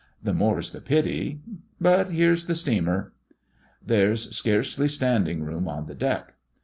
The more's the pity! But here's the steamer!" There's scarcely standing room on the deck.